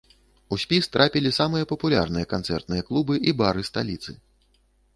У спіс трапілі самыя папулярныя канцэртныя клубы і бары сталіцы.